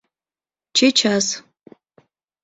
— Чечас.